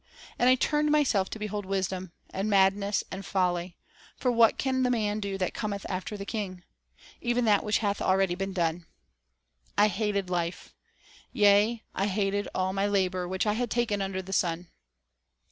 And I turned myself to behold wisdom, and madness, and folly; for what can the man do that cometh after the king? even that which hath been already done." "I hated life. ... Yea, I hated all my labor unsatisSid which I had taken under the sun."